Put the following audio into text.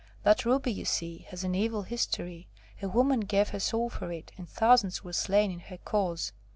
That ruby you see has an evil history; a woman gave her soul for it, and thousands were slain in her cause."